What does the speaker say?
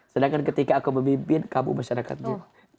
sedangkan ketika aku memimpin kamu masyarakatnya